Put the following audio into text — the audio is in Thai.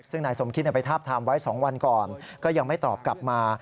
ซึ่งนายสมคิดไปทาบทามไว้๒วันก่อนก็ยังไม่ตอบกลับมา